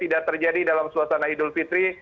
tidak terjadi dalam suasana idul fitri